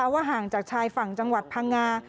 ว่าห่างจากชายฝั่งจังหวัดพังงา